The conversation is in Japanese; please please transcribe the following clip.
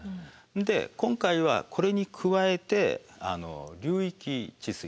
で今回はこれに加えて流域治水と。